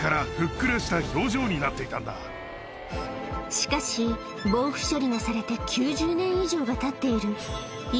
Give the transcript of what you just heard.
しかし防腐処理がされて９０年以上がたっている今